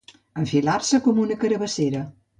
Enfilar-se com una carabassera.